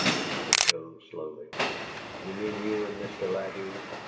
asked Joe, slowly. "You mean you and Mr. Ladew?"